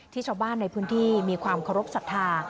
ที่ชอบบ้านในพื้นที่มีความขอรบศรัทธา